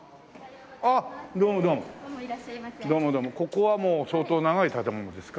ここはもう相当長い建物ですか？